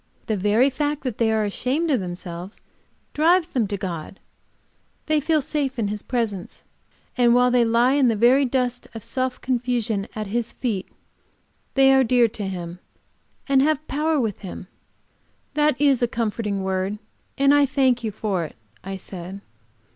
The very fact that they are ashamed of themselves drives them to God; they feel safe in His presence, and while they lie in the very dust of self confusion at His feet they are dear to Him and have power with Him." "That is a comforting word, and I thank you for it," I said.